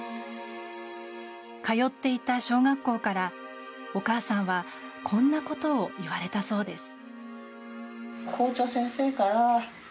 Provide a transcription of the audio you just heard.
通っていた小学校からお母さんはこんなことを言われたそうです。